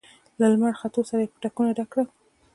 له لمر ختو سره يې پتکونه ډک کړل.